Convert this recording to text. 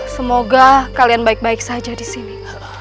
semoga kalian baik baik saja disini